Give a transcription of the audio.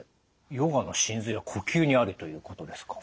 ヨガの神髄は呼吸にありということですか。